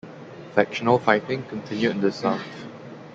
Factional fighting continued in the south.